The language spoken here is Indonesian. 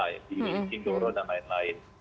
di singdoro dan lain lain